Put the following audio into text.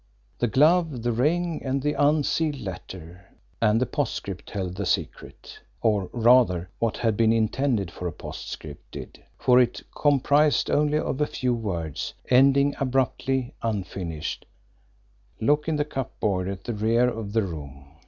The glove, the ring, and the unsealed letter and the postscript held the secret; or, rather, what had been intended for a postscript did, for it comprised only a few words, ending abruptly, unfinished: "Look in the cupboard at the rear of the room.